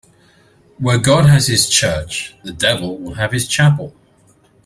Where God has his church, the devil will have his chapel.